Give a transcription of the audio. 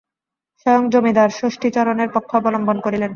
স্বয়ং জমিদার ষষ্ঠীচরণের পক্ষ অবলম্বন করিলেন।